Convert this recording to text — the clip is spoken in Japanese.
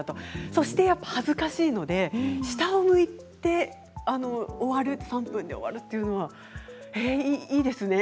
それと恥ずかしいので下を向いて終わる３分で終わるというのはいいですね。